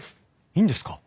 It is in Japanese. いいんですか？